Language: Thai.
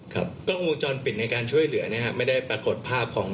กล้องวงจรปิดในการช่วยเหลือนะครับไม่ได้ปรากฏภาพของ